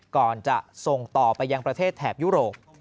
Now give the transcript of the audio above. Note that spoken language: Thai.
ก่อนจะส่งต่อไปยังประเทศแถบยุโรป